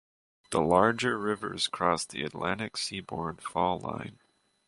The larger rivers cross the Atlantic seaboard fall line.